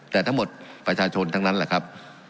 แต่ทั้งหมดประชาชนทั้งนั้นแหละครับ